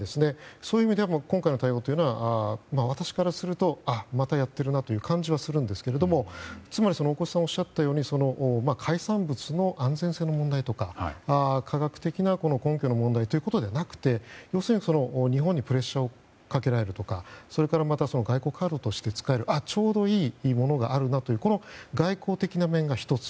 そういう意味では、今回の対応というのは私からするとまたやってるなという感じはするんですけどもつまり大越さんがおっしゃったように海産物の安全性の問題とか科学的な根拠の問題ということではなくて要するに、日本にプレッシャーをかけられるとかそれから外交カードとして使えるちょうどいいものがあると外交的な面が１つ。